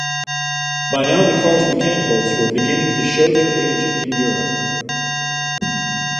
By now the car's mechanicals were beginning to show their age in Europe.